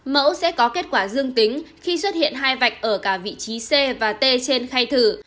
mẫu sẽ có kết quả dương tính khi xuất hiện hai vạch ở cả vị trí c và t trên khai thử